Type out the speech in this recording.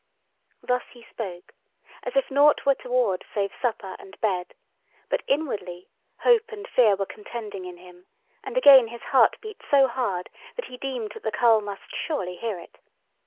Thus he spoke, as if nought were toward save supper and bed; but inwardly hope and fear were contending in him, and again his heart beat so hard, that he deemed that the carle must surely hear it.